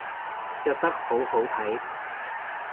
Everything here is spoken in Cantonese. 着得好好睇